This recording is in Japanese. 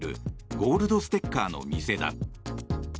ゴールドステッカーの店だ。